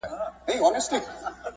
مطلب په بابا پېژندنه کي